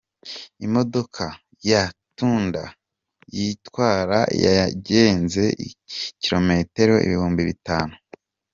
Imodoka ya Tunda yitwara yagenze kilometero Ibihumbi Bitanu